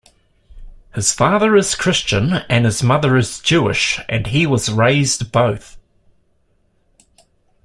His father is Christian and his mother is Jewish, and he was "raised both".